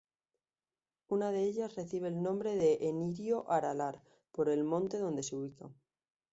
Una de ellas recibe el nombre de Enirio-Aralar, por el monte donde se ubica.